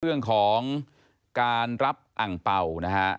เรื่องของการรับอังเป่านะฮะ